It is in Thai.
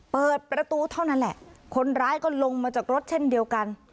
เปิดประตูเท่านั้นแหละคนร้ายก็ลงมาจากรถเช่นเดียวกัน